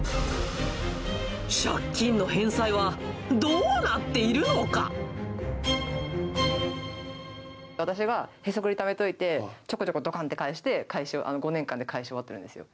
借金の返済はどうなっている私がへそくりためといて、ちょこちょこどかんと返して、５年間で返し終わってるんですよ。